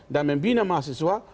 dan membina mahasiswa